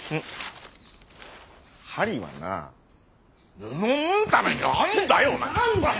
針はな布縫うためにあんだよ！